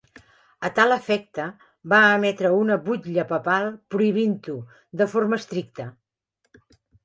A tal efecte, va emetre una butlla papal prohibint-ho de forma estricta.